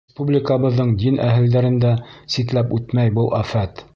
Республикабыҙҙың дин әһелдәрен дә ситләп үтмәй был афәт.